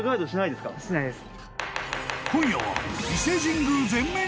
［今夜は］